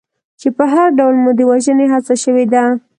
چې په هر ډول مو د وژنې هڅه شوې ده.